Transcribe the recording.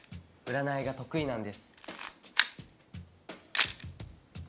占いが得意なんです。